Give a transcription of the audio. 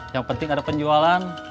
yang penting ada penjualan